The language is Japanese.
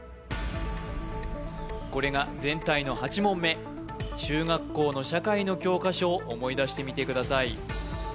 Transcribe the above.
これが全体の８問目中学校の社会の教科書を思い出してみてください